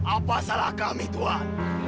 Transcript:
apa salah kami tuhan